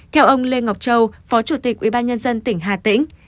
theo ông lê ngọc châu phó chủ tịch ubnd tỉnh hà tĩnh